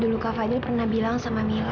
dulu kak fadil pernah bilang sama mila